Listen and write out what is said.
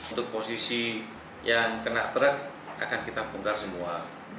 untuk posisi yang kena truk akan kita bongkar semua